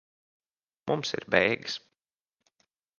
Mums ir beigas.